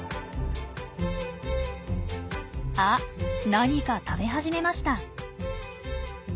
あっ何か食べ始めました。